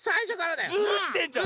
ズルしてんじゃん！